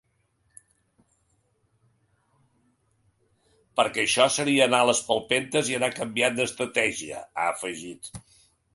Perquè això seria anar a les palpentes i anar canviant d’estratègia, ha afegit.